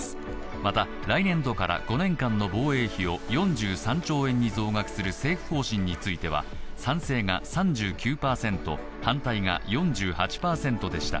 また来年度から５年間の防衛費を４３兆円に増額する政府方針については賛成が３９％、反対が４８％でした。